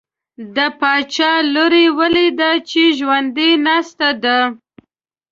د باچا لور یې ولیده چې ژوندی ناسته ده.